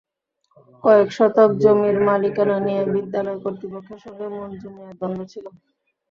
কয়েক শতক জমির মালিকানা নিয়ে বিদ্যালয় কর্তৃপক্ষের সঙ্গে মনজু মিয়ার দ্বন্দ্ব ছিল।